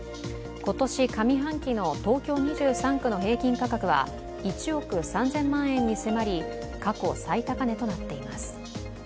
今年上半期の東京２３区の平均価格は１億３０００万円に迫り過去最高値となっています。